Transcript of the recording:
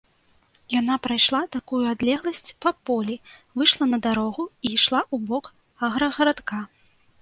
Яна прайшла такую адлегласць па полі, выйшла на дарогу і ішла ў бок аграгарадка.